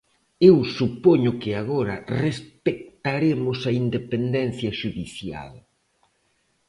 Eu supoño que agora respectaremos a independencia xudicial.